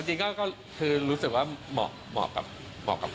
จริงก็คือรู้สึกว่าเหมาะกับ